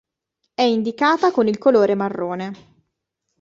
È indicata con il colore marrone.